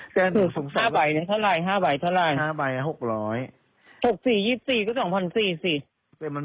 ๕ใบเนี่ยเท่าไหร่๕ใบเท่าไหร่